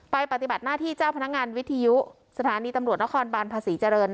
ปฏิบัติหน้าที่เจ้าพนักงานวิทยุสถานีตำรวจนครบานภาษีเจริญ